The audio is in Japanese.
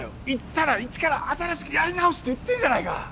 行ったら一から新しくやり直すって言ってるじゃないか